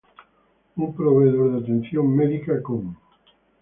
Un proveedor de atención médica con